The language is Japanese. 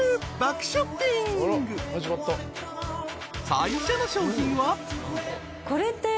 ［最初の商品は］